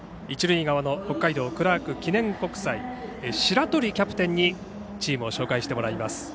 一塁側の北海道のクラーク記念国際白取キャプテンにチームを紹介してもらいます。